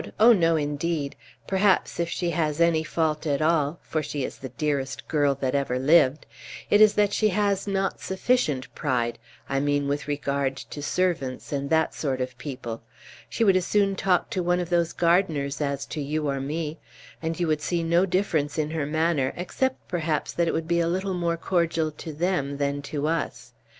oh no, indeed! perhaps, if she has any fault at all (for she is the dearest girl that ever lived), it is that she has not sufficient pride I mean with regard to servants, and that sort of people. She would as soon talk to one of those gardeners as to you or me; and you would see no difference in her manner, except that perhaps it would be a little more cordial to them than to us.